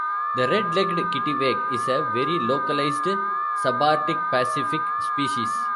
The red-legged kittiwake is a very localised subarctic Pacific species.